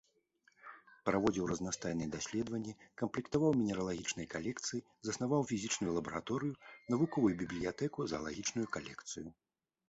Праводзіў разнастайныя даследаванні, камплектаваў мінералагічныя калекцыі, заснаваў фізічную лабараторыю, навуковую бібліятэку, заалагічную калекцыю.